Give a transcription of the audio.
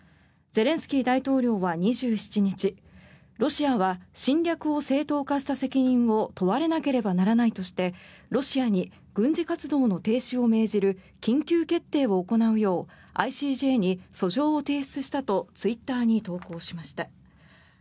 ゼレンスキー大統領は２７日ロシアは侵略を正当化した責任を問われなければならないとしてロシアに軍事活動の停止を命じる緊急決定を行うようＩＣＪに訴状を提出したとツイッターに投稿しました。